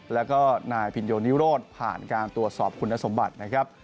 แล้วก็นายพินโยนิโรธผ่านการตรวจสอบคุณสมบัตินะครับ